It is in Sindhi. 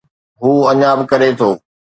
هو اڃا به ڪري ٿو.